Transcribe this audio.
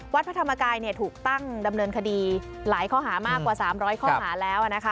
พระธรรมกายถูกตั้งดำเนินคดีหลายข้อหามากกว่า๓๐๐ข้อหาแล้ว